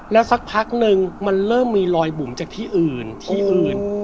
แล้วสักพักนึงมันเริ่มมีรอยบุ๋มจากที่อื่นที่อื่น